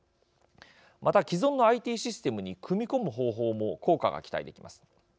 また、既存のＩＴシステムに組み込む方法も効果が期待できます。